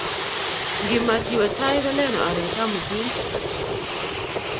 Ngimach iwe tai kolen oret amutin